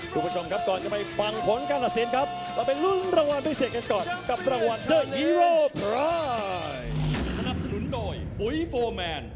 ตามใต้รางวัลฮีโลไปคนละ๕๐๐๐บาท